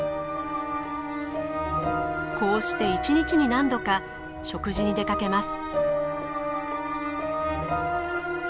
こうして１日に何度か食事に出かけます。